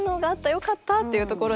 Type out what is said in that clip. よかった！」っていうところでまずは。